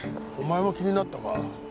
お前も気になったか。